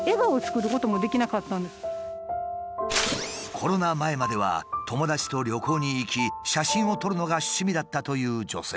コロナ前までは友達と旅行に行き写真を撮るのが趣味だったという女性。